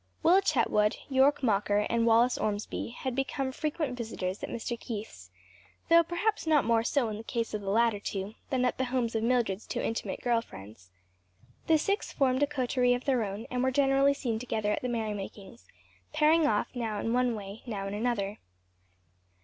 Will Chetwood, Yorke Mocker, and Wallace Ormsby had become frequent visitors at Mr. Keith's; though, perhaps not more so in the case of the latter two, than at the homes of Mildred's two intimate girl friends; the six formed a coterie of their own and were generally seen together at the merry makings; pairing off now in one way now in another.